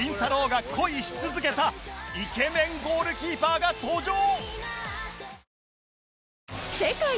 が恋し続けたイケメンゴールキーパーが登場！